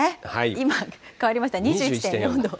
今、変わりました、２１．４度。